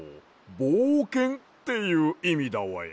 ぼうけんっていういみだわや。